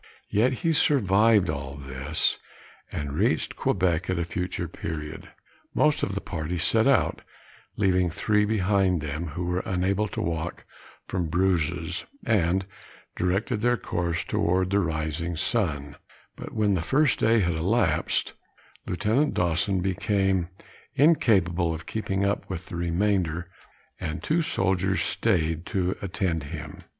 Yet he survived all this, and reached Quebec at a future period. Most of the party set out, leaving three behind them, who were unable to walk from bruises, and directed their course towards the rising sun, but when the first day had elapsed, Lieutenant Dawson became incapable of keeping up with the remainder; and two soldiers staid to attend him.